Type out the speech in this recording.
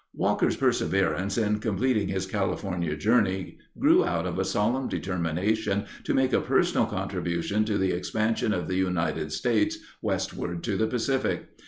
Walker's perseverance in completing his California journey grew out of a solemn determination to make a personal contribution to the expansion of the United States westward to the Pacific.